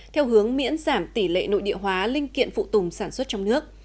theo hướng miễn giảm tỷ lệ nội địa hóa linh kiện phụ tùng sản xuất trong nước